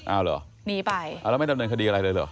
อ้าวเหรอแล้วไม่ดำเนินคดีอะไรเลยเหรอ